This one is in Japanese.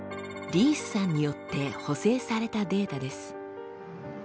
リースさんによって補正されたデータです。